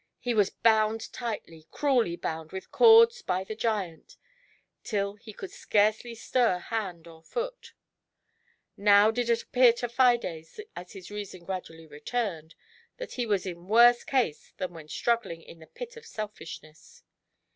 He was bound tightly, cruelly bound with corda by the giant, till he could scarcely stir hand or foot. Now did it appear to Fides, as his reason gradually returned, that he was in worse 100 GIANT HATE. case than when struggling in the pit of Selfishness.